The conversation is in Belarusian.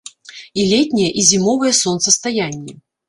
І летняе, і зімовае сонцастаянне.